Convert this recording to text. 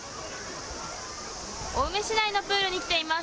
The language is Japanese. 青梅市内のプールに来ています。